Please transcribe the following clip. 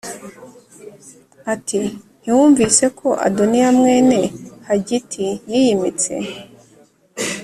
ati Ntiwumvise ko Adoniya mwene Hagiti yiyimitse